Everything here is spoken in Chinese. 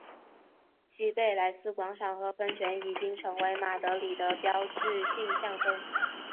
西贝莱斯广场和喷泉已成为马德里的标志性象征。